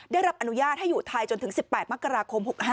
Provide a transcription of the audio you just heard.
ได้รับอนุญาตให้อยู่ไทยจนถึง๑๘มกราคม๖๕